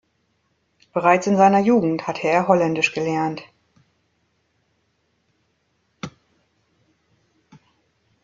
Bereits in seiner Jugend hatte er Holländisch gelernt.